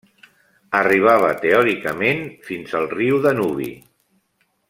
Arribava teòricament fins al riu Danubi.